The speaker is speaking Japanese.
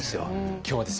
今日はですね